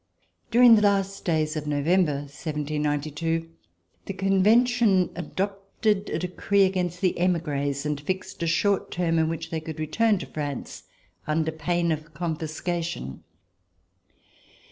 During the last days of November, 1792, the Con vention adopted a decree against the emigres and fixed a short term in which they could return to France, under pain of confiscation.